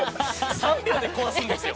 ３秒で壊すんですよ。